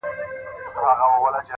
ته د رنگونو د خوبونو و سهار ته گډه”